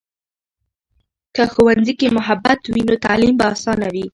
که ښوونځي کې محبت وي، نو تعلیم به آسانه وي.